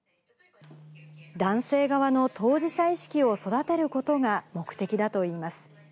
男性側の当事者意識を育てることが目的だといいます。